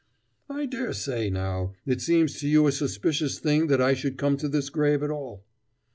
"I dare say, now, it seems to you a suspicious thing that I should come to this grave at all."